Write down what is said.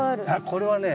これはね